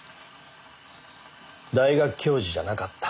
大学教授じゃなかった。